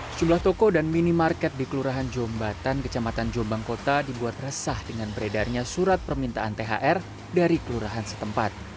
sejumlah toko dan minimarket di kelurahan jombatan kecamatan jombang kota dibuat resah dengan beredarnya surat permintaan thr dari kelurahan setempat